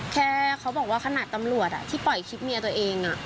แค่เขาบอกว่าขนาดตำรวจที่ปล่อยคลิปเมียตัวเอง